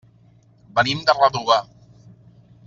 Venim de Redovà.